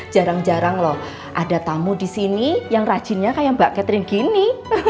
jarang jarang loh ada tamu di sini yang rajinnya kayak mbak catering gini